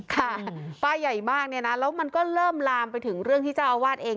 ค่ะป้ายใหญ่มากเนี่ยนะแล้วมันก็เริ่มลามไปถึงเรื่องที่เจ้าอาวาสเอง